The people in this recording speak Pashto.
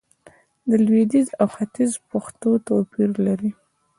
د لويديځ او ختيځ پښتو توپير لري